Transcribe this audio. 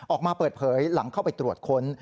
ออกมาเปิดเผยหลังเข้าไปตรวจค้น